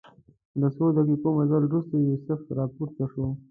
له څو دقیقو مزل وروسته یوسف راپورته شو.